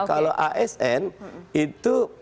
kalau asn itu